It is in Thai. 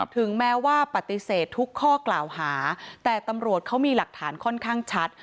ถึงแม้ว่าปฏิเสธทุกข้อกล่าวหาแต่ตำรวจเขามีหลักฐานค่อนข้างชัด